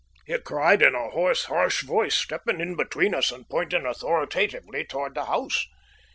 he cried in a hoarse, harsh voice, stepping in between us and pointing authoritatively towards the house.